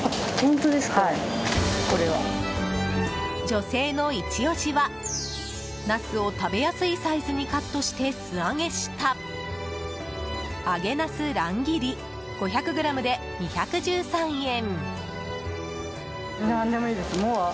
女性のイチ押しはナスを食べやすいサイズにカットして素揚げした揚げなす乱切り５００ｇで２１３円。